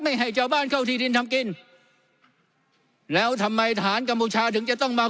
ให้ชาวบ้านเข้าที่ดินทำกินแล้วทำไมทหารกัมพูชาถึงจะต้องมา